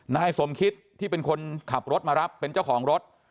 นายสมคิตที่เป็นคนขับรถมารับเป็นเจ้าของรถ